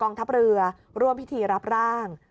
ทัพเรือร่วมพิธีรับร่าง